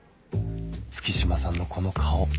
月島さんのこの顔